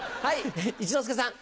一之輔さん。